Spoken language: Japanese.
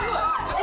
え！